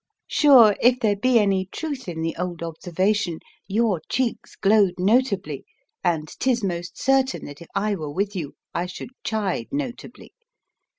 Sure, if there be any truth in the old observation, your cheeks glowed notably; and 'tis most certain that if I were with you, I should chide notably.